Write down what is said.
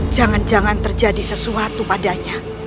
jangan jangan terjadi sesuatu padanya